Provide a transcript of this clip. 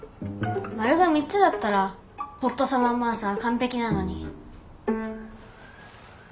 「丸が３つ」だったら「ホットサマー・マーサ」は完璧なのに。